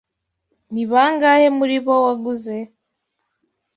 Ni bangahe muri bo waguze?